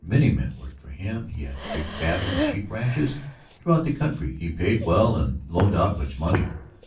Many men worked for him; he had big cattle and sheep ranches throughout the county; he paid well and loaned out much money.